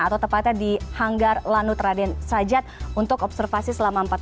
atau tepatnya di hanggar lanut raden sajat untuk observasi selama empat jam